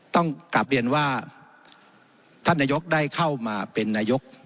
ต้องกลับเรียนว่าท่านนายกได้เข้ามาเป็นนายก